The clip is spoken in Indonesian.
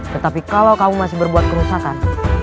tetapi kalau kamu masih berbuat kerusakan